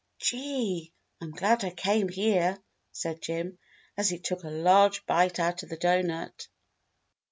"Gee! I'm glad I came here," said Jim, as he took a large bite out of the doughnut.